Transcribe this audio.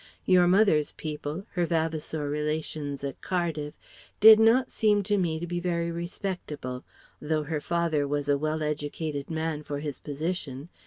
Your mother's people, her Vavasour relations at Cardiff did not seem to me to be very respectable, though her father was a well educated man for his position.